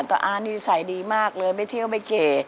นิสัยดีมากเลยไปเที่ยวไปเก่